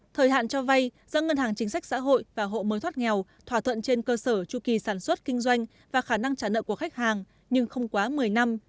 thời hạn cho vay do ngân hàng chính sách xã hội và hộ mới thoát nghèo thỏa thuận trên cơ sở tru kỳ sản xuất kinh doanh và khả năng trả nợ của khách hàng nhưng không quá một mươi năm